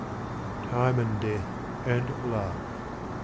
TIME AND DEATH AND LOVE.